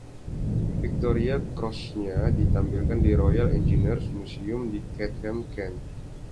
Victoria Cross-nya ditampilkan di Royal Engineers Museum di Chatham, Kent.